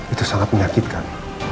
itu sangat menyakitkan